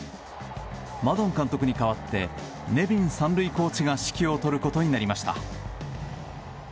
マドン監督に代わってネビン３塁コーチが指揮を執ることになりました。